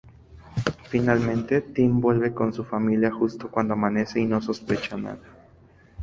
Finalmente, Tim vuelve con su familia justo cuando amanece y no sospechan nada.